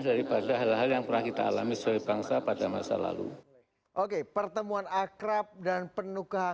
daripada hal hal yang pernah kita alami sebagai bangsa pada masa lalu oke pertemuan akrab dan penuh kehadi